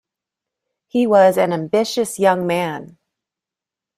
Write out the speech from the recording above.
He was an ambitious young man.